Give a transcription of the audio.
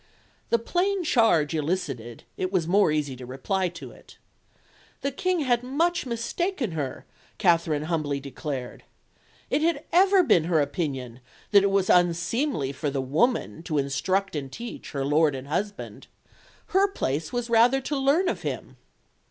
The plain charge elicited, it was more easy to reply to it. The King had much mistaken her, Katherine humbly declared. It had ever been her opinion that it was unseemly for the woman to instruct and teach her lord and husband; her place was rather to learn of him.